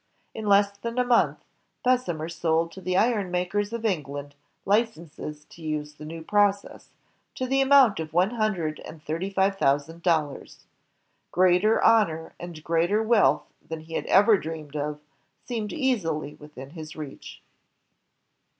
In less than a month, Bessemer sold to the iron makers of England licenses to use the new process, to the amoimt of one himdred and thirty five thousand dollars. Greater honor and greater wealth than he had ever dreamed of seemed easily within his reach.